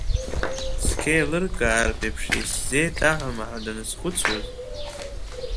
Цқьа еилыркаартә еиԥш исзеиҭаҳәама ҳәа даназхәыцуаз.